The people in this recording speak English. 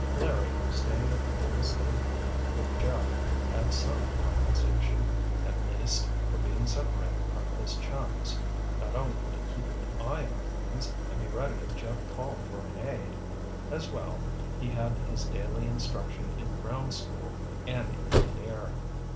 Larry, staying at the old estate home with Jeff, had some compensation, at least, for being separated from his chums. Not only could he keep an eye on things and be ready if Jeff called for an aide; as well, he had his daily instruction in ground school and in the air.